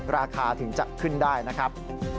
ราคาถึงจะขึ้นได้นะครับ